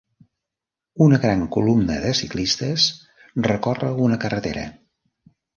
Una gran columna de ciclistes recorre una carretera.